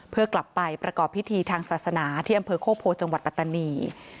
เพื่อกลับไปประกอบพิธีทางศาสนาที่อำเภอโคกโพจังหวัดปัตตานี